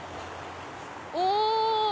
お！